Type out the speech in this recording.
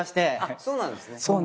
そうなんです。